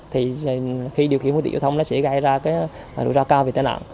thì khi điều khiển mối tiện giao thông nó sẽ gây ra cái rủi ro cao về tài nạn